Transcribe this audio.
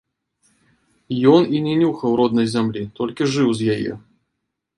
Ён і не нюхаў роднай зямлі, толькі жыў з яе.